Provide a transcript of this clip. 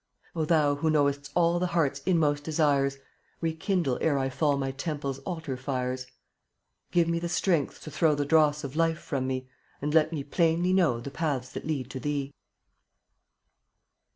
Thou who knowest all (ftttt/it* The heart's inmost desires, Rekindle ere I fall (R^ My temple's altar fires; tfitto/t Give me the strength to throw 5 The dross of life from me, And let me plainly know The paths that lead to Thee.